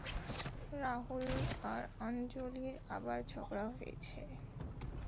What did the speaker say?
রাহুল আর আঞ্জলির আবার ঝগড়া হয়েছে।